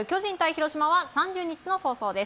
広島は３０日の放送です。